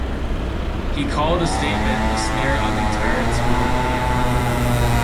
He called the statement, a smear on the entire Tamil community.